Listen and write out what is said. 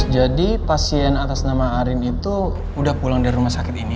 jadi pasien atas nama arin itu udah pulang dari rumah sakit ini